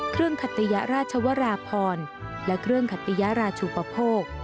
เครื่องขัตยราชวราพรและเครื่องขัตยราชุปโภค